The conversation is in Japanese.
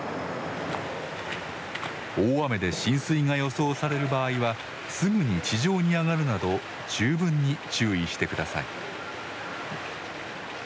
大雨で浸水が予想される場合はすぐに地上に上がるなど十分に注意してください。